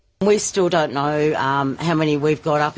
kita masih tidak tahu berapa banyak yang kita dapat